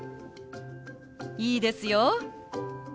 いいですよ！